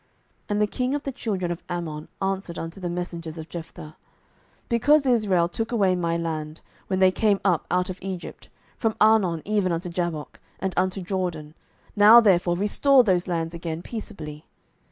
07:011:013 And the king of the children of Ammon answered unto the messengers of Jephthah, Because Israel took away my land, when they came up out of Egypt, from Arnon even unto Jabbok, and unto Jordan: now therefore restore those lands again peaceably.